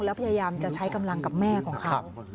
แล้วพยายามจะใช้กำลังกับแม่ของเขา